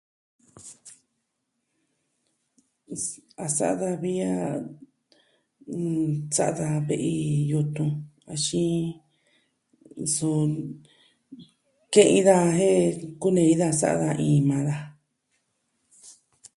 A sa'a da vi a... n... sa'a daa ve'i yutun axin... sɨɨn.... ke'en daja jen ku nei sa'a iin maa daja.